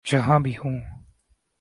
جہاں بھی ہوں۔